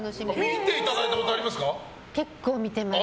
見ていただいたことありますか？